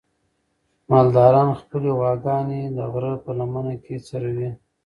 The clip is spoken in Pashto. مالداران خپلې غواګانې د غره په لمنه کې څروي.